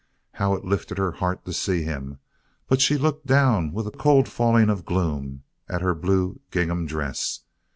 How it lifted her heart to see him. But she looked down, with a cold falling of gloom, at her blue gingham dress.